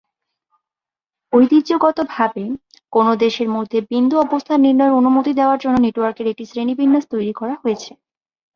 ঐতিহ্যগতভাবে, কোনও দেশের মধ্যে বিন্দু অবস্থান নির্ণয়ের অনুমতি দেওয়ার জন্য নেটওয়ার্কের একটি শ্রেণিবিন্যাস তৈরি করা হয়েছে।